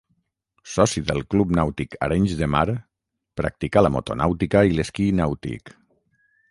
Soci del Club Nàutic Arenys de Mar, practicà la motonàutica i l'esquí nàutic.